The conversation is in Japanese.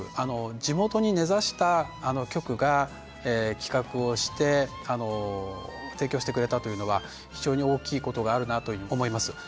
地元に根ざした局が企画をして提供してくれたというのは非常に大きいことがあるなと思います。